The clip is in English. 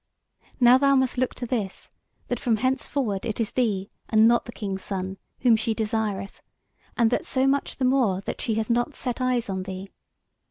Now thou must look to this, that from henceforward it is thee, and not the King's Son, whom she desireth, and that so much the more that she hath not set eyes on thee.